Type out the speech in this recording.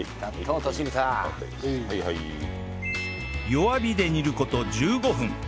弱火で煮る事１５分